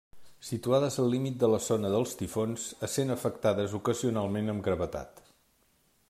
Situades al límit de la zona dels tifons, essent afectades ocasionalment amb gravetat.